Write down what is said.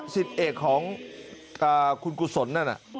สิทธิเอกของคุณกุศลนั่นน่ะ